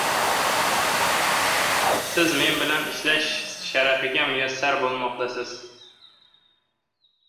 — Siz men bilan ishlash sharafiga muyassar bo‘lmoqdasiz!